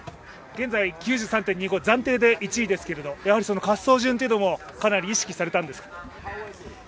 現在９３．２５暫定でトップですけど決勝の滑走順というのもかなり意識されたんですか？